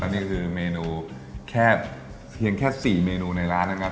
แล้วนี้ก็คือเมนูแค่เทียงแค่สี่เมนูในร้านนะครับ